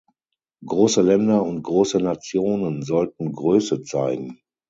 Große Länder und große Nationen sollten Größe zeigen.